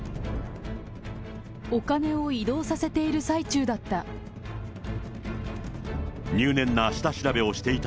お金を移動させている最中だった。